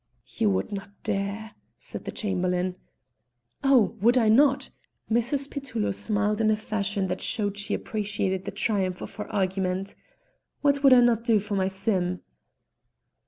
"You would not dare!" said the Chamberlain. "Oh! would I not?" Mrs. Petullo smiled in a fashion that showed she appreciated the triumph of her argument. "What would I not do for my Sim?"